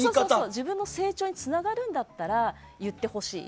自分の成長につながるんだったら言ってほしい。